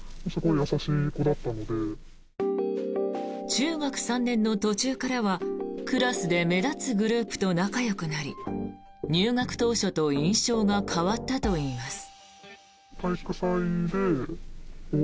中学３年の途中からはクラスで目立つグループと仲よくなり入学当初と印象が変わったといいます。